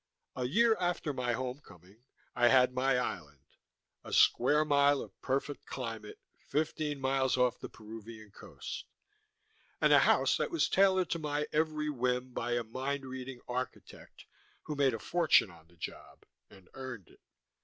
A year after my homecoming, I had my island a square mile of perfect climate, fifteen miles off the Peruvian coast and a house that was tailored to my every whim by a mind reading architect who made a fortune on the job and earned it.